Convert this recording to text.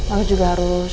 aku juga harus